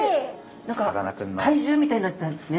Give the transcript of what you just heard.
何か怪獣みたいになってますね。